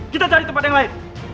kita cari tempat yang lain